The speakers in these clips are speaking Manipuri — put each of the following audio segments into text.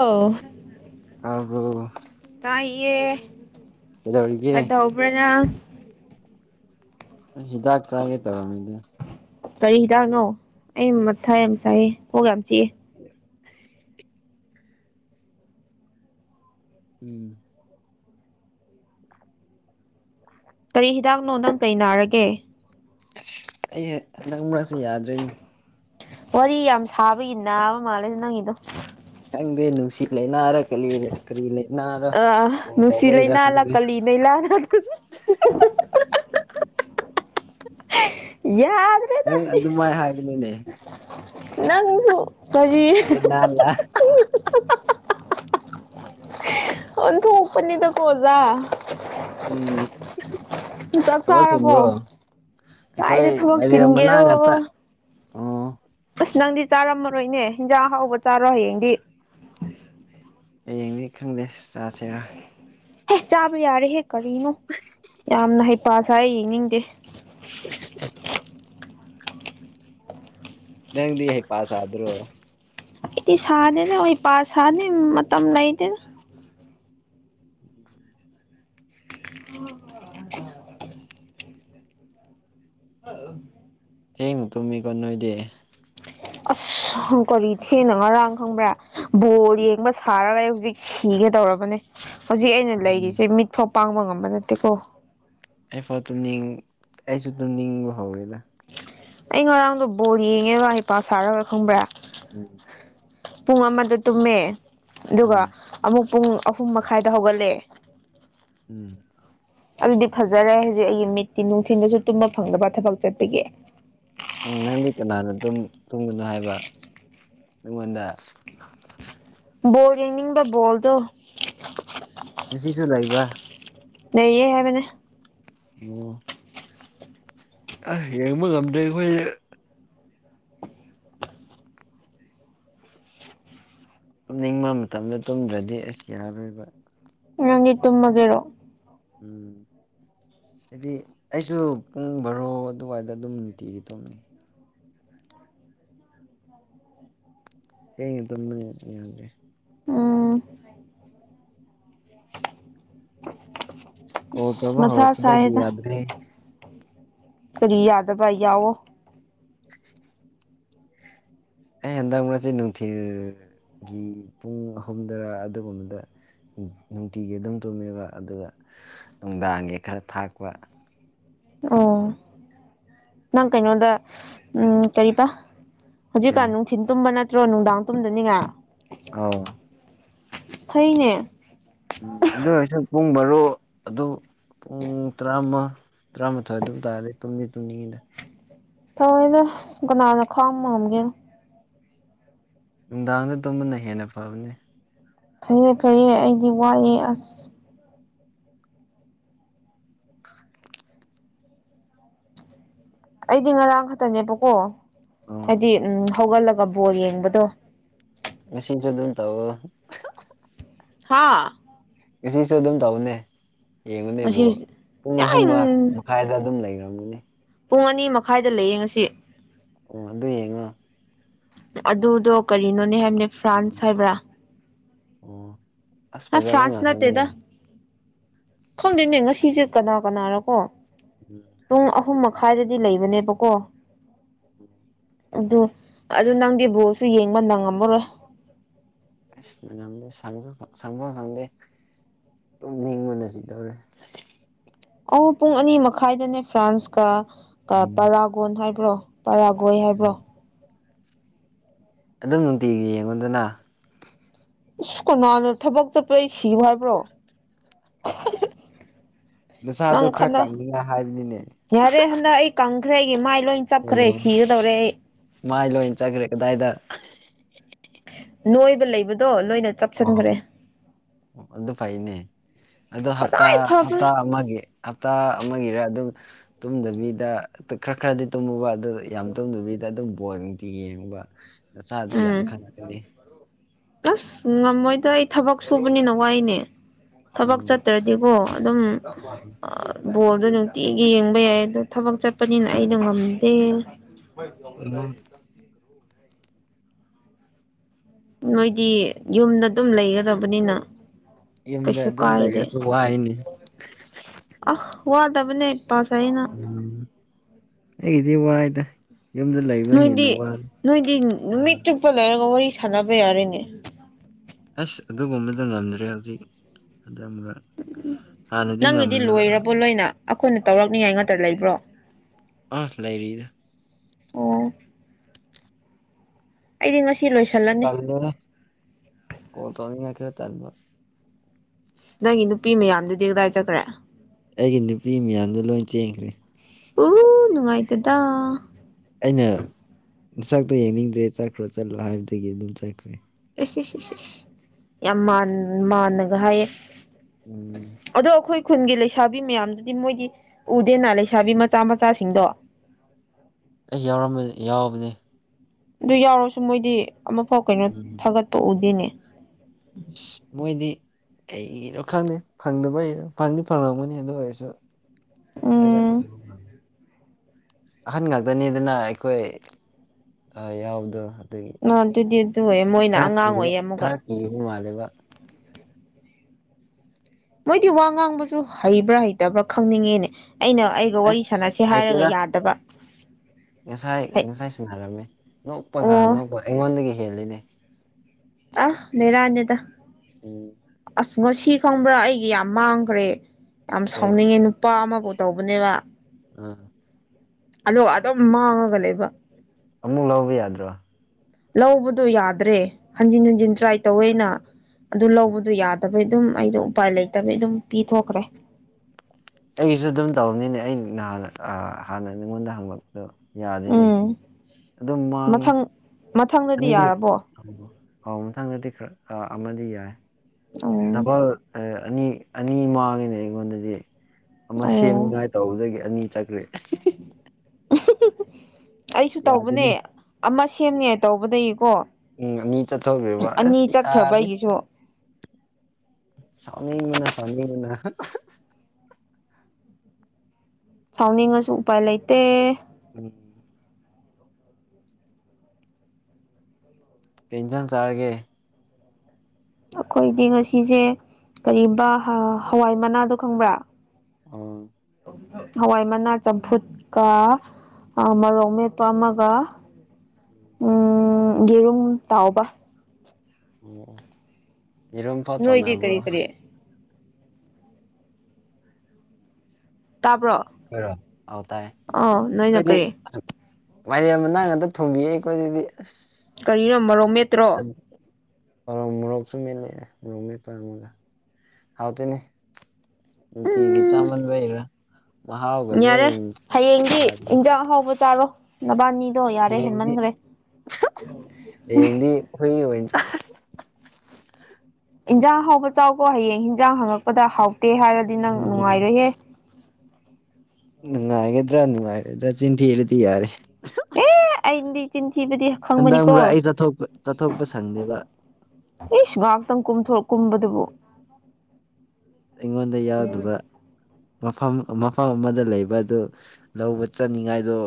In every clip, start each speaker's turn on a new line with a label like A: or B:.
A: ꯑꯣ
B: ꯇꯥꯕ꯭ꯔꫭ
A: ꯇꯥꯏꯌꯦ
B: ꯀꯩꯗꯧꯔꯤꯒꯦ
A: ꯀꯗꯥꯎꯕ꯭ꯔꯥ ꯅꯪ
B: ꯍꯤꯗꯥꯛ ꯆꯥꯒꯦ ꯇꯧꯔꯝꯃꯤꯗ
A: ꯀꯔꯤ ꯍꯤꯗꯥꯛꯅꯣ ꯑꯩ ꯃꯊꯥ ꯌꯥꯝ ꯁꯥꯏꯑꯦ ꯀꯣꯛ ꯌꯥꯝ ꯆꯤꯛꯑꯦ
B: [inaudible] ꯎꯝ
A: ꯀꯔꯤ ꯍꯤꯗꯥꯛꯅꯣ ꯅꯪ ꯀꯩ ꯅꯥꯔꯒꯦ
B: ꯑꯩꯁꯦ ꯍꯟꯗꯛ ꯃꯔꯛꯁꯦ ꯌꯥꯗ꯭ꯔꯦꯅꯦ
A: ꯋꯥꯔꯤ ꯌꯥꯝ ꯁꯥꯕꯒꯤ ꯅꯥꯕ ꯃꯥꯜꯂꯦꯗ ꯅꯪꯒꯤꯗꯣ
B: ꯈꯪꯗꯦ ꯅꯨꯡꯁꯤ ꯂꯩꯅꯥꯔ ꯀꯔꯤ ꯀꯔꯤ ꯂꯩꯅꯥꯔ
A: ꯑ
B: ꯀꫭꯜ
A: ꯅꯨꯡꯁꯤ
B: ꯇꯧꯕꯩꯔ
A: ꯂꯩꯅꯥꯂ
B: ꯈꯪꯗꯦ
A: ꯀꯂꯤ ꯂꯩꯅꯥꯂ
B: [unintelligible]
A: ꯌꯥꯗꯦ
B: ꯅꯪ ꯑꯗꯨꯃꯥꯏ ꯍꯥꯏꯒꯅꯣꯅꯦ
A: ꯅꯪꯁꯨ ꯀꯔꯤ
B: ꯂꯩꯅꯥꯂ
A: [unintelligible] ꯑꯣꯟꯊꯣꯛꯄꯅꯤꯗꯀꯣ ꯑꯣꯖꯥ
B: ꯎꯝ
A: ꯆꯥꯛ
B: ꯊꯕꯛ
A: ꯆꯥꯔꯕꯣ
B: ꯆꯤꯟꯕ꯭ꯔꯣ
A: ꯀꯥꯏꯗ
B: ꯑꯩꯈꯣꯏ
A: ꯊꯕꯛ
B: ꯃꯥꯏꯔꯦꯟ ꯃꯅꯥ
A: ꯆꯤꯟꯒꯦꯔꯣ
B: ꯉꯥꯛꯇ ꯑꯣ
A: ꯑꯁ ꯅꯪꯗꯤ ꯆꯥꯔꯝꯃꯔꯣꯏꯅꯦ ꯍꯤꯟꯖꯥꯡ ꯑꯍꯥꯎꯕ ꯆꯥꯔꯣ ꯍꯌꯦꯡꯗꯤ
B: ꯍꯌꯦꯡꯗꯤ ꯈꯪꯗꯦ ꯆꯥꯁꯤꯔꯥ
A: ꯍꯦ ꯆꯥꯕ ꯌꯥꯔꯦꯍꯦ ꯀꯔꯤꯅꯣ ꯌꯥꯝꯅ ꯍꯩꯄꯁꯌꯦ ꯌꯦꯡꯅꯤꯡꯗꯦ
B: [unintelligible] ꯅꯪꯗꯤ ꯍꯩꯄꯥꯁꯗ꯭ꯔꯣ
A: ꯑꯩꯗꯤ ꯁꯥꯗꯦꯅꯦ ꯑꯩ ꯄꯥ ꯁꯥꯅꯤ ꯃꯇꯝ ꯂꯩꯗꯦꯅ
B: ꯎꯝ
A: [unintelligible] [unintelligible]
B: ꯊꯦꯡꯅ ꯇꯨꯝꯃꯤꯀꯣ ꯅꯣꯏꯗꯤ
A: ꯀꯔꯤ ꯊꯦꯡꯅ ꯉꯔꯥꯡ ꯈꯪꯕ꯭ꯔꯥ ꯕꯣꯜ ꯌꯦꯡꯕ ꯁꯥꯔꯒ ꯍꯧꯖꯤꯛ ꯁꯤꯒꯗꯧꯔꯕꯅꯦ ꯍꯧꯖꯤꯛ ꯑꯩꯅ
B: ꯎꯝ
A: ꯂꯩꯔꯤꯁꯦ ꯃꯤꯠ ꯐꯥꯎ ꯄꯥꯡꯕ ꯉꯝꯕ ꯅꯠꯇꯦꯀꯣ
B: ꯑꯩꯐꯥꯎ ꯇꯨꯃꯅꯤꯡ ꯑꯩꯁꯨ ꯇꯨꯅꯤꯡꯕ ꯍꯧꯔꯦꯗ
A: ꯑꯩ ꯉꯔꯥꯡꯗꯣ ꯕꯣꯜ ꯌꯦꯡꯉꯦꯕ ꯍꯩꯄꯥ ꯁꯥꯔꯒ ꯈꯪꯕ꯭ꯔꯥ
B: ꯎꯝ
A: ꯄꯨꯡ ꯑꯃꯗ ꯇꯨꯝꯃꯦ ꯑꯗꯨꯒ
B: ꯎꯝ
A: ꯑꯃꯨꯛ ꯄꯨꯡ ꯑꯍꯨꯝ ꯃꯈꯥꯏꯗ ꯍꯧꯒꯠꯂꯦ
B: ꯎꯝ
A: ꯑꯗꯨꯗꯤ ꯐꯖꯔꯦ ꯍꯧꯖꯤꯛ ꯑꯩꯒꯤ ꯃꯤꯠꯇꯤ ꯅꯨꯡꯊꯤꯟꯗꯁꯨ ꯇꯨꯝꯕ ꯐꯪꯗꯕ ꯊꯕꯛ ꯆꯠꯄꯒꯤ
B: ꯎꯝ ꯅꯪꯗꯤ ꯀꯅꯥꯅ ꯇꯨꯝꯒꯅꯣ ꯍꯥꯏꯕ ꯅꯉꯣꯟꯗ
A: [unintelligible]
B: ꯉꯁꯤꯁꯨ ꯂꯩꯕ꯭ꯔꯥ
A: ꯂꯩꯌꯦ ꯍꯥꯏꯕꯅꯦ
B: [unintelligible] ꯑꯁ ꯌꯦꯡꯕ ꯉꯝꯗꯦ ꯑꯩꯈꯣꯏ ꯇꯨꯝꯅꯤꯡꯕ ꯃꯇꯝꯗ ꯇꯨꯝꯗ꯭ꯔꯗꯤ ꯑꯁ ꯌꯥꯔꯣꯏꯕ
A: ꯅꯪꯗꯤ ꯇꯨꯝꯃꯗꯣꯏꯔꯣ
B: ꯎꯝ ꯍꯥꯏꯗꯤ ꯑꯩꯁꯨ ꯄꯨꯡ ꯕꯥꯔꯣ ꯑꯗꯨꯋꯥꯏꯗ ꯑꯗꯨꯝ ꯅꯨꯡꯇꯤꯒꯤ ꯇꯣꯅꯤ ꯊꯦꯡꯅ ꯇꯨꯃꯕꯅꯤꯅ ꯌꯥꯗ꯭ꯔꯦ
A: ꯎꯝ
B: ꯀꯣꯜ ꯇꯧꯕ
A: ꯃꯊꯥ
B: ꯍꯧꯔꯛꯄꯗꯒꯤ
A: ꯁꯥꯏꯗ
B: [unintelligible]
A: ꯀꯔꯤ ꯌꯥꯗꯕ ꯌꯥꯋꯣ
B: ꯑꯩ ꯍꯟꯗꯛ ꯃꯔꯛꯁꯦ ꯅꯨꯡꯊꯤꯜꯒꯤ ꯄꯨꯡ ꯑꯍꯨꯝꯗꯔꯥ ꯑꯗꯨꯒꯨꯝꯕꯗ ꯅꯨꯡꯇꯤꯒꯤ ꯑꯗꯨꯝ ꯇꯨꯝꯃꯦꯕ ꯑꯗꯨꯒ ꯅꯨꯡꯗꯥꯡꯒꯤ ꯈꯔ ꯊꯥꯛꯄ
A: ꯑꯣ ꯅꯪ ꯀꯩꯅꯣꯗ ꯎꯝ ꯀꯔꯤꯕ ꯍꯧꯖꯤꯛꯀꯥꯟ ꯅꯨꯡꯊꯤꯟ ꯇꯨꯝꯕ ꯅꯠꯇ꯭ꯔꯣ ꯅꯨꯡꯗꯥꯡ ꯇꯨꯝꯗꯅꯤꯉꯥꯏ
B: ꯑꯥꯎ
A: ꯐꯩꯅꯦ
B: ꯎꯝ ꯑꯗꯨ ꯑꯣꯏꯁꯨ ꯄꯨꯡ ꯃꯔꯣ ꯑꯗꯨ ꯄꯨꯡ ꯇꯔꯥꯃ ꯇꯔꯥꯃꯊꯣꯏ ꯑꯗꯨꯝ ꯇꯥꯔꯗꯤ ꯇꯨꯝꯗꯤ ꯇꯨꯝꯅꯤꯡꯏꯗ
A: ꯐꯔꯦꯗ ꯀꯅꯥꯅ ꯈꯥꯡꯕ ꯉꯝꯗꯣꯏꯅꯣ
B: ꯅꯨꯡꯗꯥꯡꯗ ꯇꯨꯝꯕꯅ ꯍꯦꯟꯅ ꯐꯕꯅꯤ
A: ꯐꯩꯌꯦꯦ ꯐꯩꯌꯦ ꯑꯩꯗꯤ ꯋꯥꯑꯦ ꯑꯁ ꯑꯩꯗꯤ ꯉꯔꯥꯡ ꯈꯛꯇꯅꯦꯕꯀꯣ
B: ꯑꯣ
A: ꯍꯥꯏꯗꯤ ꯎꯝ ꯍꯧꯒꯠꯂꯒ ꯕꯣꯜ ꯌꯦꯡꯕꯗꯣ
B: ꯉꯁꯤꯁꯨ ꯑꯗꯨꯅ ꯇꯧꯑꫭ
A: ꯍꯥꯥ
B: ꯉꯁꯤꯁꯨ ꯑꯗꯨꯝ ꯇꯧꯅꯦ ꯌꯦꯡꯉꯨꯅꯦ ꯏꯕꯨ
A: ꯉꯁꯤ
B: ꯄꯨꯡ ꯑꯍꯨꯝ
A: ꯌꯥꯏ
B: ꯃꯉꯥ ꯀꯥꯏꯗ ꯑꯗꯨꯝ ꯂꯩꯔꯝꯒꯅꯤ
A: ꯄꯨꯡ ꯑꯅꯤ ꯃꯈꯥꯏꯗ ꯂꯩꯌꯦꯡ ꯉꯁꯤ
B: ꯑꯣ ꯑꯗꯨ ꯌꯦꯡꯉꯣ
A: ꯑꯗꯨꯗꯣ ꯀꯔꯤꯅꯣꯅꯦ ꯍꯥꯏꯕꯅꯦ ꯐ꯭ꯔꯥꯟꯁ ꯍꯥꯏꯕ꯭ꯔꯥ
B: [inaudible]
A: ꯑ ꯐ꯭ꯔꯥꯟꯁ
B: ꯉꯥꯛꯇꯅꯦ
A: ꯅꯠꯇꯦꯗ ꯈꯪꯗꯦꯅꯦ ꯉꯁꯤꯁꯦ ꯀꯅꯥ ꯀꯅꯥꯔꯀꯣ
B: [unintelligible]
A: ꯄꯨꯡ ꯑꯍꯨꯝ ꯃꯈꯥꯏꯗꯗꯤ ꯂꯩꯕꯅꯦꯕꯀꯣ
B: [unintelligible]
A: ꯑꯗꯨ ꯑꯗꯨ ꯅꯪꯗꯤ ꯕꯣꯜꯁꯨ ꯌꯦꯡꯕ ꯅꯪꯉꯝꯃꯔꯣꯏ
B: ꯑꯁ ꯃꯅꯝꯗꯣ ꯁꯟꯖꯨ ꯁꯪꯕ ꯈꯪꯗꯦ [unintelligible]
A: ꯑ ꯄꯨꯡ ꯑꯅꯤ ꯃꯈꯥꯏꯗꯅꯦ ꯐ꯭ꯔꯥꯟꯁꯀ
B: ꯎꯝ
A: ꯄꯔꯥꯒꯣꯟ ꯍꯥꯏꯕ꯭ꯔꯣ ꯄꯔꯥꯒꯣꯏ ꯍꯥꯏꯕ꯭ꯔꯣ
B: ꯑꯗꯨꯝ ꯅꯨꯡꯇꯤꯒꯤ ꯌꯦꯡꯉꯣꯗꯅ
A: ꯏꯁꯁ ꯀꯅꯥꯅꯣ ꯊꯕꯛ ꯆꯠꯄ ꯑꯩ ꯁꯤꯌꯨ ꯍꯥꯏꯕ꯭ꯔꯣ
B: ꯅꯁꯥꯗꯣ
A: ꯅꯪ
B: ꯈ꯭ꯔ
A: ꯈꯟꯅ
B: ꯀꯪꯅꯤꯡꯉꯥꯏ ꯍꯥꯏꯕꯅꯤꯅꯦ
A: ꯌꯥꯔꯦ ꯍꯟꯗꯛ ꯑꯩ ꯀꯪꯈ꯭ꯔꯦ ꯑꯩꯒꯤ ꯃꯥꯏ ꯂꯣꯏ ꯆꯞꯈ꯭ꯔꯦ
B: ꯑꯣ
A: ꯁꯤꯒꯗꯧꯔꯦ ꯑꯩ
B: ꯃꯥꯏ ꯂꯣꯏꯅ ꯆꯠꯈ꯭ꯔꯦ ꯀꯗꯥꯏꯗ
A: ꯅꯣꯏꯕ ꯂꯩꯕꯗꯣ ꯂꯣꯏꯅ
B: ꯑꯣ
A: ꯆꯞꯁꯤꯟꯈ꯭ꯔꯦ
B: ꯑꯣ ꯑꯗꯨ ꯐꯩꯅꯦ ꯑꯗꯣ ꯍꯞꯇꯥ
A: ꯀꯗꯥꯏ ꯐꯕ꯭ꯔꯥ
B: ꯍꯞꯇꯥ ꯑꯃꯒꯤ ꯍꯞꯇꯥ ꯑꯃꯒꯤꯔ ꯑꯗꯨꯝ ꯇꯨꯝꯗꯕꯤꯗ ꯑꯗꯨ ꯈꯔ ꯈꯔꯗꯤ ꯇꯨꯝꯃꯨꯕ ꯌꯥꯝ ꯇꯧꯗꯕꯤꯗ ꯑꯗꯨꯝ ꯕꯣꯜ ꯅꯨꯡꯇꯤ ꯌꯦꯡꯕ ꯅꯆꯥꯥꯗꯣ ꯌꯥꯝ
A: ꯎꯝ
B: ꯈꯪꯂꯛꯀꯅꯤ
A: ꯑꯁ ꯉꯝꯃꯣꯏꯗ ꯑꯩ ꯊꯕꯛ ꯁꯨꯕꯅꯤꯅ ꯋꯥꯏꯅꯦ ꯊꯕꯛ
B: ꯎꯝ
A: ꯆꯠꯇ꯭ꯔꯗꯤ ꯗꯤꯀꯣ ꯑꯗꯨꯝ ꯕꯣꯜꯗꯣ ꯅꯨꯡꯇꯤꯒꯤ ꯌꯦꯡꯕ ꯌꯥꯏ ꯑꯗꯣ ꯊꯕꯛ ꯆꯠꯄꯅꯤꯅ ꯑꯩꯗꯣ ꯉꯝꯗꯦ
B: [unintelligible]
A: ꯅꯣꯏꯗꯤ ꯌꯨꯝꯗ ꯗꯨꯝ ꯂꯩꯒꯗꯕꯅꯤꯅ
B: ꯌꯨꯝꯗ
A: ꯀꯩꯁꯨ
B: ꯑꯗꯨꯝ
A: ꯀꯥꯏꯗꯦ
B: ꯂꯩꯔꯁꯨ ꯋꯥꯏꯅꯦ
A: ꯑꯍ ꯋꯥꯗꯕꯅꯦ ꯄꯁꯥꯏꯅ
B: ꯎꯝ ꯑꯩꯒꯤꯗꯤ ꯋꯥꯏꯗ ꯌꯨꯝꯗ ꯂꯩꯕ ꯍꯦꯟꯅ
A: ꯅꯣꯏꯗꯤ
B: ꯋꯥꯂꯦ
A: ꯅꯣꯏꯗꯤ ꯅꯨꯃꯤꯠ ꯆꯨꯞꯄ ꯂꯩꯔꯒ ꯋꯥꯔꯤ ꯁꯥꯟꯅꯕ ꯌꯥꯔꯦꯅꯦ
B: ꯑꯁ ꯑꯗꯨꯒꯨꯝꯕꯗꯣ ꯉꯝꯗ꯭ꯔꯦ ꯍꯧꯖꯤꯛ ꯑꯗꯨꯝꯕ
A: ꯎ ꯅꯪꯒꯤꯗꯤ ꯂꯣꯏꯔꯕꯣ ꯂꯣꯏꯅ ꯑꯩꯈꯣꯏꯅ ꯇꯧꯔꯛꯅꯤꯉꯥꯏ ꯉꯥꯛꯇ ꯂꯩꯕ꯭ꯔꯣ
B: ꯑꯥ ꯂꯩꯔꯤꯗ
A: ꯑꯣ ꯑꯩꯗꯤ ꯉꯁꯤ ꯂꯣꯏꯁꯜꯂꯛ
B: [unintelligible]
A: ꯅꯪꯒꯤ ꯅꯨꯄꯤ ꯃꯌꯥꯝꯗꯨꯗꯤ ꯀꯗꯥꯏ ꯆꯠꯈ꯭ꯔꯦ
B: ꯑꯩꯒꯤ ꯅꯨꯄꯤ ꯃꯌꯥꯝꯗꯣ ꯂꯣꯏ ꯆꯦꯟꯈ꯭ꯔꯦ
A: ꯎ ꯅꯨꯡꯉꯥꯏꯇꯗ
B: ꯑꯩꯅ ꯅꯁꯛꯇꯣ ꯌꯦꯡꯅꯤꯡꯗ꯭ꯔꯦ ꯆꯠꯈ꯭ꯔꯣ ꯆꯠꯂꯣ ꯍꯥꯏꯕꯗꯒꯤ ꯑꯗꯨꯝ ꯆꯠꯈ꯭ꯔꯦ
A: ꯑꯦꯁ ꯑꯦꯁ ꯑꯦꯁꯦ ꯌꯥꯝ ꯃꯥꯟꯅꯒ ꯍꯥꯏꯌꯦ
B: ꯎꯝ
A: ꯑꯗꯣ ꯑꯩꯈꯣꯏ ꯈꯨꯟꯒꯤ ꯂꯩꯁꯥꯕꯤ ꯃꯌꯥꯝꯗꯨꯗꯤ ꯃꯣꯏꯗꯤ ꯎꯗꯦꯅ ꯂꯩꯁꯥꯕꯤ ꯃꯆꯥ ꯃꯆꯥꯁꯤꯡꯗꯣ
B: ꯑꯩ ꯌꯥꯎꯔꯝꯕ-ꯌꯥꯎꯕꯅꯦ
A: ꯑꯗꯨ ꯌꯥꯎꯔꯁꯨ ꯃꯣꯏꯗꯤ ꯑꯃꯐꯥꯎ ꯀꯩꯅꯣ
B: ꯎꯝ
A: ꯊꯥꯒꯠꯄ ꯎꯗꯦꯅꯦ
B: ꯃꯣꯏꯗꯤ ꯀꯔꯣ ꯈꯪꯗꯦ ꯐꯪꯗꯕꯩꯔꯣ ꯐꯪꯗꯤ ꯐꯪꯉꯝꯒꯅꯤ ꯑꯗꯨ ꯑꯣꯏꯔꯁꯨ
A: ꯎꯝ
B: [unintelligible] ꯑꯍꯟ ꯉꯥꯛꯇꯅꯤꯗꯅ ꯑꯩꯈꯣꯏ ꯑ ꯌꯥꯎꯕꯗꯣ ꯑꯗꯨꯒꯤ
A: [unintelligible]
B: ꯈꯔ
A: ꯑꯉꯥꯡ
B: ꯀꯤꯕ
A: ꯑꯣꯏꯌꯦ
B: ꯈꯔ
A: ꯑꯃꯨꯛꯀ
B: ꯀꯤꯈꯤꯕ ꯃꯥꯜꯂꯦꯕ
A: ꯃꯣꯏꯗꯤ ꯋꯥ ꯉꯥꯡꯕꯁꯨ ꯍꯩꯕ꯭ꯔꯥ ꯍꯩꯇꯕ꯭ꯔꯥ ꯈꯪꯅꯤꯡꯉꯦꯅꯦ ꯑꯩꯅ ꯑꯩ ꯋꯥꯔꯤ ꯁꯥꯟꯅꯁꯦ
B: ꯑꯁ
A: ꯍꯥꯏꯔꯒ
B: ꯍꯩꯇꯦꯗ
A: ꯌꯥꯗꯕ
B: ꯉꯁꯥꯏ
A: ꯍꯩ
B: ꯉꯁꯥꯏ ꯁꯟꯅꯔꯝꯃꯦ ꯅꯣꯛꯄꯒꯥꯟ
A: ꯑꯣ
B: ꯅꯣꯛꯄ ꯑꯩꯉꯣꯟꯗꯒꯤ ꯍꯦꯜꯂꯤꯅꯦ
A: ꯑ ꯕꯦꯔꯥꯅꯤꯗ
B: ꯎꯝ
A: ꯑꯁ ꯉꯣ ꯁꯤ ꯈꯪꯕ꯭ꯔꯥ ꯑꯩꯒꯤ ꯌꯥꯝ ꯃꯥꯡꯈ꯭ꯔꯦ ꯌꯥꯝ
B: ꯀꯩꯒꯤ
A: ꯁꯥꯎꯅꯤꯡꯉꯦ ꯅꯨꯄꯥ ꯑꯃꯐꯥꯎ ꯇꯧꯕꯅꯦꯕ
B: ꯑ
A: ꯑꯗꯣ ꯑꯗꯨꯝ ꯃꯥꯡꯉꯒ ꯂꯩꯕ
B: ꯑꯃꯨꯛ ꯂꯧꯕ ꯌꯥꯗ꯭ꯔꯣ
A: ꯂꯧꯕꯗꯣ ꯌꯥꯗ꯭ꯔꯦ ꯍꯟꯖꯤꯟ ꯍꯟꯖꯤꯟ
B: ꯎꯝ
A: ꯇ꯭ꯔꯥꯏ ꯇꯧꯋꯦꯅ ꯑꯗꯨ ꯂꯧꯕꯗꯨ ꯌꯥꯗꯕꯩ ꯑꯗꯨꯝ ꯑꯩꯗꯣ ꯎꯄꯥꯏ ꯂꯩꯇꯕꯩ ꯑꯗꯨꯝ ꯄꯤꯊꯣꯛꯈ꯭ꯔꯦ
B: ꯑꯩꯒꯤꯁꯨ ꯑꯗꯨꯝ ꯇꯧꯕꯅꯤꯅꯦ ꯑꯩ ꯅꯍꯥꯟ ꯍꯥꯟꯅ ꯅꯉꯣꯟꯗ ꯍꯪꯂꯛꯄꯗꯣ ꯌꯥꯗꯦꯅꯦ
A: ꯎꯝ
B: ꯑꯗꯨꯝ ꯃꯥꯡꯉꯦ
A: ꯃꯊꯪ ꯃꯊꯪꯗꯗꯤ ꯌꯥꯔꯕꯣ
B: ꯑ ꯑꯥꯎ ꯃꯊꯪꯗꯗꯤ ꯈꯔ ꯑꯃꯗꯤ ꯌꯥꯏ
A: ꯎꯝ
B: ꯗꯕꯜ ꯑꯅꯤ ꯑꯅꯤ ꯃꯥꯡꯉꯦꯅꯦ ꯑꯩꯉꯣꯟꯗꯗꯤ ꯑꯃ
A: ꯑꯣ
B: ꯁꯦꯝꯅꯤꯉꯥꯏ ꯇꯧꯗꯒꯤ ꯑꯅꯤ ꯆꯠꯈ꯭ꯔꯦ
A: ꯑꯩꯁꯨ ꯇꯧꯕꯅꯦ
B: ꯌꯥꯗꯦꯅꯦ
A: ꯑꯃ ꯁꯦꯝꯅꯤꯡꯉꯥꯏ ꯇꯧꯕꯗꯩꯀꯣ
B: ꯎꯝ ꯃꯤ ꯆꯠꯊꯈꯤꯕ ꯑꯁ ꯌꯥ
A: ꯑꯩꯒꯤꯁꯨ
B: ꯁꯥꯎꯅꯤꯪꯕꯅꯥ ꯁꯥꯑꯣꯅꯤꯪꯕꯅꯥ
A: ꯁꯥꯎꯅꯤꯡꯉꯁꯨ ꯎꯄꯥꯏ ꯂꯩꯇꯦ
B: ꯎꯝ ꯀꯩ ꯍꯦꯟꯖꯥꯡ ꯆꯥꯔꯒꯦ
A: ꯑꯩꯈꯣꯏꯗꯤ ꯉꯁꯤꯁꯦ ꯀꯔꯤꯕ ꯍꯋꯥꯏ ꯃꯅꯥꯗꯣ ꯈꯪꯕ꯭ꯔꯥ
B: ꯑꯝ
A: ꯍꯋꯥꯏ ꯃꯅꯥ ꯆꯝꯐꯨꯠꯀ ꯃꯔꯣꯛ ꯃꯦꯠꯄ ꯑꯃꯒ
B: ꯑꯣ
A: ꯎꯝ ꯌꯦꯔꯨꯝ ꯇꯥꯎꯕ
B: ꯑꯣ ꯑꯣ ꯌꯦꯔꯨꯝꯐꯥꯎ
A: ꯅꯣꯏꯗꯤ
B: ꯇꯧꯅꯕ꯭ꯔꯣ
A: ꯀꯔꯤ ꯀꯔꯤ ꯇꯥꯕ꯭ꯔꯣ
B: ꯑꯈꯣꯏꯔꯣ ꯑꯥꯎ ꯇꯥꯏ
A: ꯑꯥ ꯅꯣꯏꯅ
B: ꯑꯩꯈꯣꯏꯗꯤ
A: ꯀꯔꯤ
B: ꯋꯥꯏꯔꯦꯝ ꯃꯅꯥ ꯉꯇ ꯊꯣꯡꯕꯤꯛ ꯑꯩꯈꯣꯏꯗꯗꯤ ꯑꯁ
A: ꯀꯔꯤꯅꯣ ꯃꯔꯣꯛ ꯃꯦꯠꯇ꯭ꯔꯣ
B: ꯑꯔꯎ ꯃꯣꯔꯣꯛꯁꯨ ꯃꯦꯠꯂꯦ ꯃꯣꯔꯣꯛ ꯃꯦꯠꯄ ꯑꯝꯒ ꯍꯥꯎꯇꯅꯦ ꯅꯨꯪꯇꯤꯒꯤ
A: ꯎꯝ
B: ꯆꯥꯃꯟꯕꯩꯔꯥ ꯃꯍꯥꯎꯒ
A: ꯌꯥꯔꯦ
B: ꯂꯣꯏ
A: ꯍꯌꯦꯡꯗꯤ
B: ꯌꯥꯗ꯭ꯔꯦ
A: ꯏꯟꯖꯥꯡ ꯑꯍꯥꯎꯕ ꯆꯥꯔꯣ ꯅꯕꯥꯅꯤꯗꯣ ꯌꯥꯔꯦ ꯍꯦꯟꯃꯟꯈ꯭ꯔꯦ
B: ꯍꯥꯌꯦꯡꯗꯤ ꯍꯨꯏ ꯑꯣꯏꯅꯥ ꯆꯥ
A: ꯏꯟꯖꯥꯡ ꯍꯥꯎꯕ ꯆꯥꯎꯕꯣ ꯍꯌꯦꯡ ꯌꯦꯟꯖꯥꯡ ꯍꯥꯡꯉꯛꯄꯗ ꯍꯥꯎꯇꯦ ꯍꯥꯏꯔꯗꯤ ꯅꯪ
B: ꯎꯝ
A: ꯅꯨꯡꯉꯥꯏꯔꯣꯏꯍꯦ
B: ꯅꯨꯡꯉꯥꯏꯒꯗ꯭ꯔꯥ ꯅꯨꯡꯉꯥꯏꯒꯗ꯭ꯔꯥ ꯆꯤꯟꯊꯤꯔꯗꯤ ꯌꯥꯔꯦ
A: ꯑꯦ ꯑꯗꯤ ꯆꯤꯟꯊꯤꯕꯗꯤ ꯈꯪꯕꯅꯤꯀꯣ
B: ꯍꯟꯗꯪꯕ꯭ꯔꯥ ꯑꯩ ꯆꯠꯊꯣꯛꯄ ꯆꯠꯊꯣꯛꯄ ꯁꯪꯗꯦꯕ
A: ꯏꯁꯁ ꯉꯥꯏꯍꯥꯛꯇꯪ ꯀꯨꯝꯊꯣꯔ ꯀꯨꯝꯕꯗꯨꯕꯨ
B: ꯑꯩꯉꯣꯟꯗ ꯌꯥꯎꯗꯕ ꯃꯐꯝ ꯃꯐꯝ ꯑꯃꯗ ꯂꯩꯕ ꯑꯗꯨ ꯂꯧꯕ ꯆꯠꯅꯤꯡꯉꯥꯏꯗꯣ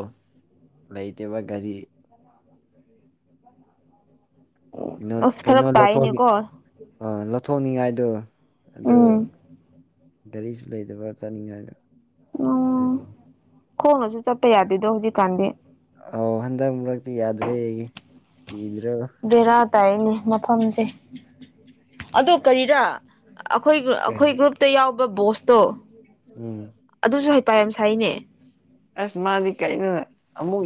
B: ꯂꯩꯇꯕ ꯒꯥꯔꯤ
A: [inaudible] [inaudible]
B: [unintelligible]
A: ꯑꯁ
B: ꯑ
A: ꯐꯔꯛ ꯇꯥꯏꯅꯦꯀꯣ
B: ꯂꯧꯊꯣꯛꯅꯤꯡꯉꯥꯏꯗꯣ ꯑꯗꯨ
A: ꯎꯝ
B: ꯒꯥꯔꯤꯁꯨ ꯂꯩꯗꯕ꯭ꯔꯥ ꯆꯥꯅꯤꯡꯉꯥꯏꯕ ꯑꯗꯨ
A: ꯎꯝ ꯈꯣꯡꯅꯁꯨ ꯆꯠꯄ ꯌꯥꯗꯦꯗꯣ ꯍꯧꯖꯤꯛꯀꯥꯟꯗꯤ
B: ꯑ ꯍꯟꯗꯛ ꯃꯔꯛꯇꯤ ꯌꯥꯗ꯭ꯔꯦ ꯀꯤꯕꯤ꯭ꯔꯣ
A: ꯚꯦꯔꯥꯠ ꯇꯥꯏꯌꯦꯅꯦ ꯃꯐꯝꯁꯦ ꯑꯗꯨ ꯀꯔꯤꯔ ꯑꯈꯣꯏ ꯒ꯭ꯔꯨ ꯑꯈꯣꯏ ꯒ꯭ꯔꯨꯞ ꯇ ꯌꯥꯎꯕ ꯕꯣꯁꯇꯣ
B: ꯎꯝ
A: ꯑꯗꯨꯁꯨ ꯍꯥꯏ ꯄ ꯌꯥꯝ ꯁꯥꯏꯅꯦ
B: ꯑꯁ ꯃꯥꯗꯤ ꯀꯩꯅꯣ ꯑꯃꯨꯛ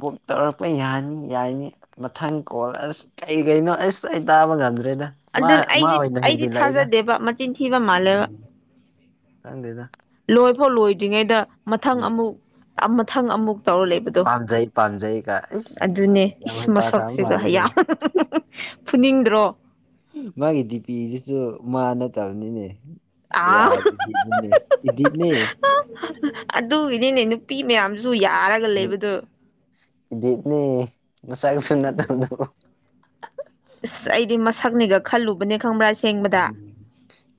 B: ꯚꯛ ꯇꯧꯔꯛꯄ ꯌꯥꯅꯤ ꯌꯥꯅꯤ ꯃꯊꯪ ꯀꯣꯜ ꯑꯁ ꯑꯩ ꯀꯩꯅꯣ ꯑꯁ ꯑꯩ ꯇꯥꯕ ꯉꯝꯗ꯭ꯔꯦꯗ ꯃꯥ
A: ꯑꯗꯨꯅ
B: ꯃꯥ
A: ꯑꯩꯗꯤ
B: ꯑꯣꯏꯅ
A: ꯑꯩꯗꯤ
B: ꯍꯦꯟꯖꯤꯜꯂꯛꯏꯗ
A: ꯊꯥꯖꯗꯦꯕ ꯃꯆꯤꯟ ꯊꯤꯕ ꯃꯥꯜꯂꯦꯕ
B: ꯎꯝ ꯈꯪꯗꯦꯗ
A: ꯂꯣꯏꯐꯥꯎ ꯂꯣꯏꯗ꯭ꯔꯤꯉꯩꯗ ꯃꯊꯪ
B: ꯎꯝ
A: ꯑꯃꯨꯛ ꯃꯊꯪ ꯑꯃꯨꯛ ꯇꯧꯔ ꯂꯩꯕꯗ
B: ꯄꯥꯝꯖꯩ ꯄꯥꯝꯖꯩꯒ ꯏꯁ
A: ꯑꯗꯨꯅꯦ
B: ꯌꯥꯝ
A: ꯏꯁ
B: ꯍꯩꯄꯥ ꯁꯥꯕ
A: ꯃꯁꯛꯁꯤꯒ
B: ꯃꯥꯜꯂꯦꯅꯦ
A: ꯌꯥꯝ ꯐꯨꯅꯤꯡꯗ꯭ꯔꯣ
B: ꯃꯥꯒꯤ ꯗꯤꯄꯤꯗꯨꯁꯨ ꯃꯥ ꯅꯠꯇꯕꯅꯤꯅꯦ ꯌꯥ
A: ꯑꯥ
B: ꯏꯅꯦ ꯏꯅꯦꯅꯤ
A: ꯑꯗꯨ ꯏꯅꯦꯅꯦ ꯅꯨꯄꯤ ꯃꯌꯥꯝꯁꯨ ꯌꯥꯔꯒ ꯂꯩꯕꯗꯣ
B: ꯏꯗꯤ ꯏꯗꯅꯦ ꯃꯁꯥꯒꯁꯨꯅꯠꯇ
A: ꯏꯁ ꯑꯩꯗꯤ ꯃꯁꯛꯅꯦꯒ ꯈꯜꯂꯨꯕꯅꯦ ꯈꯪꯕ꯭ꯔꯥ ꯏꯁ
B: ꯎꯝ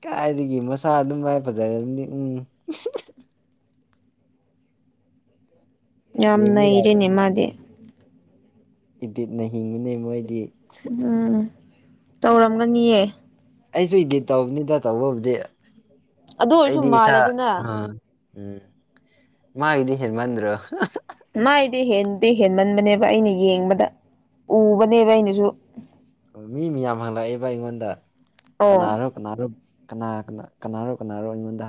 B: ꯀꯥꯏꯗꯒꯤ ꯃꯁꯥ ꯑꯗꯨꯝ ꯃꯥꯏ ꯐꯖꯔꯦ ꯑꯗꯨꯝꯗꯤ ꯎꯝ
A: ꯌꯥꯝ
B: ꯌꯦꯡꯕ
A: ꯅꯩꯔꯦꯅꯦ
B: ꯌꯥꯗꯕ
A: ꯃꯥꯗꯤ
B: ꯏꯗꯤꯠꯅ ꯍꯤꯡꯕꯅꯤ ꯃꯣꯏꯗꯤ
A: ꯎꯝ ꯇꯧꯔꯝꯒꯅꯤꯌꯦ
B: ꯑꯩꯁꯨ ꯏꯗꯤꯠ ꯇꯧꯕꯅꯤꯗ ꯇꯧꯕꯕꯨꯗꯤ
A: ꯑꯗꯨ ꯑꯣꯏꯔꯁꯨ
B: ꯑꯩꯗꯤ ꯉꯁꯥꯏ
A: ꯃꯥꯜꯂꯦꯗꯅ
B: ꯑ ꯎꯝ ꯃꯥꯒꯤꯗꯤ ꯍꯦꯟꯃꯟꯗ꯭ꯔꯣ
A: ꯃꯥꯏꯗꯤ ꯍꯦꯟꯗꯤ ꯍꯦꯟꯃꯟꯕꯅꯦꯕ ꯑꯩꯅ ꯌꯦꯡꯕꯗ ꯎꯕꯅꯦꯕ ꯑꯩꯅꯁꯨ
B: ꯃꯤ ꯃꯌꯥꯝ ꯍꯪꯂꯛꯑꯦꯕ ꯑꯩꯉꯣꯟꯗ
A: ꯑꯣ
B: ꯀꯅꯥꯔꯣꯛ ꯀꯅꯥꯣ ꯀꯅꯥ ꯀ ꯀꯅꯥꯔꯣ ꯀꯅꯥꯔꯣ ꯑꯩꯉꯣꯟꯗ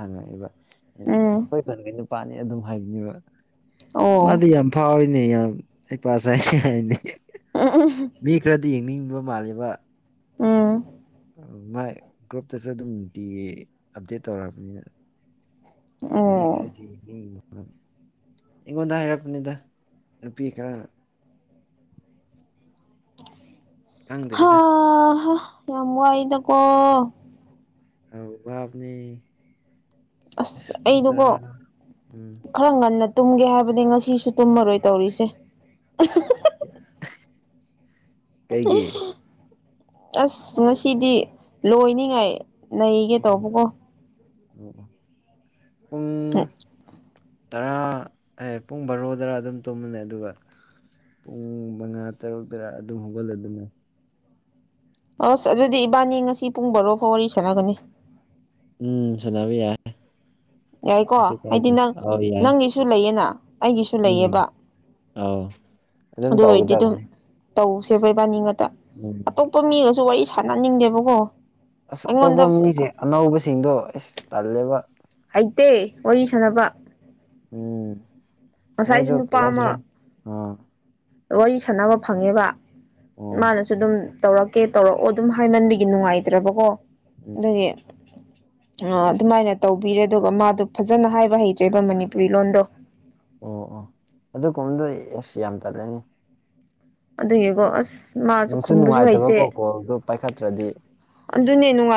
A: ꯎꯝ
B: ꯍꯪꯉꯛꯏꯕꯈꯣꯏ ꯄꯥꯅꯤ ꯑꯗꯨꯝ ꯍꯥꯏꯅꯤꯕ
A: ꯑꯣ
B: ꯃꯥꯗꯤ ꯌꯥꯝ ꯐꯥꯎꯔꯤꯅꯦ ꯌꯥꯝ ꯑꯩ ꯄ ꯆꯥꯏ ꯍꯥꯏꯅꯤ ꯃꯤ ꯈꯔꯗꯤ ꯌꯦꯡꯅꯤꯡꯕ ꯃꯥꯜꯂꯤꯕ
A: ꯎꯝ
B: ꯃꯥꯏ ꯒ꯭ꯔꯨꯞꯇꯁꯨ ꯑꯗꯨꯝ ꯅꯨꯡꯇꯤꯒꯤ ꯑꯞꯗꯦꯠ ꯇꯧꯛꯑꯔꯕꯅꯤꯅ
A: ꯑ
B: ꯃꯤ ꯈꯗꯤ ꯑꯩꯉꯣꯟꯗ ꯍꯥꯏꯔꯛꯄꯅꯤꯗ ꯅꯨꯄꯤ ꯈꯔ
A: [inaudible] ꯍꯥ
B: ꯈꯪꯗ꯭ꯔꯦꯗ
A: ꯌꯥꯝ ꯋꯥꯏꯗꯀꯣ
B: ꯑ ꯋꯥꯕꯅꯤ
A: ꯑꯁ
B: ꯏꯁꯄ ꯇꯔ
A: ꯑꯩꯗꯨꯀꯣ
B: ꯎꯝ
A: ꯈꯔ ꯉꯟꯅ ꯇꯨꯝꯒꯦ ꯍꯥꯏꯕꯅꯤ ꯉꯁꯤꯁꯨ ꯇꯨꯝꯃꯔꯣꯏ ꯇꯧꯔꯤꯁꯦ
B: ꯀꯩꯒꯤ
A: ꯑꯁ ꯉꯁꯤꯗꯤ ꯂꯣꯏꯅꯤꯉꯥꯏ ꯅꯒꯦ ꯇꯧꯕꯀꯣ
B: ꯑꯣꯑꯣ ꯄꯨꯡ ꯇꯔꯥ ꯑꯦ ꯄꯨꯡ ꯕꯥꯔꯣꯗꯔ ꯑꯗꯨꯝ ꯇꯨꯝꯕꯅꯦ ꯑꯗꯨꯒ ꯄꯨꯡ ꯃꯉꯥ ꯇꯔꯨꯛ ꯇꯔꯥ ꯑꯗꯨꯝ ꯍꯧꯒꯠꯂꯦ ꯑꯗꯨꯅꯦ
A: ꯑꯁ ꯑꯗꯨꯗꯤ ꯏꯕꯥꯅꯤ ꯉꯁꯤ ꯄꯨꯡ ꯕꯔꯣꯐꯥꯎ ꯋꯥꯔꯤ ꯁꯥꯟꯅꯒꯅꯤ
B: ꯎꯝ ꯁꯅꯕꯤ ꯌꯥꯏꯦ
A: ꯌꯥꯏꯀꯣ ꯍꯥꯏꯗꯤ ꯅꯪ
B: ꯑꯧ ꯌꯥꯏ
A: ꯅꯪꯒꯤꯁꯨ ꯂꯩꯌꯦꯅ ꯑꯩꯒꯤꯁꯨ
B: ꯎꯝ
A: ꯂꯩꯌꯦꯕ
B: ꯑꯧ ꯑꯗꯨꯝ
A: ꯑꯗꯨ ꯑꯣꯏꯔꯗꯤ ꯑꯗꯨꯝ
B: ꯇꯧꯒꯗꯕꯅꯦ
A: ꯇꯧꯁꯦꯕ ꯏꯕꯥꯅꯤ ꯉꯥꯛꯇ
B: ꯎꯝ
A: ꯑꯇꯨꯞ ꯇꯨꯃꯤꯒꯁꯨ ꯋꯥꯔꯤ ꯁꯥꯟꯅꯅꯤꯡꯗꯦꯕꯀꯣ
B: ꯑꯁ ꯑꯇꯣꯞꯄ
A: ꯑꯩꯉꯣꯟꯗ
B: ꯃꯤꯁꯦ ꯑꯅꯧꯕꯁꯤꯡꯗꯣ ꯑꯁ ꯇꯜꯂꯦꯕ
A: ꯍꯩꯇꯦ ꯋꯥꯔꯤ ꯁꯥꯅꯕ
B: ꯎꯝ ꯃꯣꯏꯗꯣ
A: ꯉꯁꯥꯏꯁꯨ
B: ꯀꯔꯤ
A: ꯅꯨꯄꯥ ꯑꯃ
B: ꯍꯥꯏꯁꯤꯔ ꯑꯥ
A: ꯋꯥꯔꯤ ꯁꯥꯟꯅꯕ ꯐꯪꯉꯦꯕ
B: ꯑꯣ
A: ꯃꯥꯅꯁꯨ ꯗꯨꯝ ꯇꯧꯔꯛꯀꯦ ꯇꯧꯔꯛꯑꯣ ꯑꯗꯨꯝ ꯍꯥꯏꯃꯟꯕꯒꯤ ꯅꯨꯡꯉꯥꯏꯇ꯭ꯔꯕꯀꯣ
B: ꯎꯝ
A: ꯑꯗꯨꯅꯦ ꯑ ꯑꯗꯨꯃꯥꯏꯅ ꯇꯧꯕꯤꯔꯦ ꯑꯗꯨꯒ ꯃꯥꯗꯣ ꯐꯖꯅ ꯍꯥꯏꯕ ꯍꯩꯇ꯭ꯔꯦꯕ ꯃꯅꯤꯄꯨꯔꯤ ꯂꯣꯟꯗꯣ
B: ꯑꯣ ꯑꯣ ꯑꯗꯨ ꯀꯨꯝꯗꯣ ꯑꯦꯁ ꯌꯥꯝ ꯇꯠꯂꯦꯅꯦ
A: ꯑꯗꯨꯒꯤꯀꯣ ꯑꯁ ꯃꯥꯁꯨ
B: ꯅꯨꯡꯁꯨ
A: ꯈꯨꯝꯕꯁꯨ ꯍꯩꯇꯦ
B: ꯅꯨꯡꯉꯥꯏꯇꯕꯀꯣ ꯀꯣꯜꯗꯨ ꯄꯥꯏꯈꯠꯇ꯭ꯔꯗꯤ
A: ꯑꯗꯨꯅꯦ ꯅꯨꯡꯉꯥꯏ